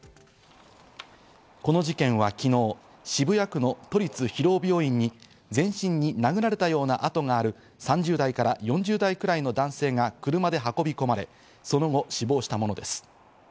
この事件は昨日、渋谷区の都立広尾病院に全身に殴られたような痕がある３０代から４０代くらいの男性が車で運び込まれ、その後死亡したものです。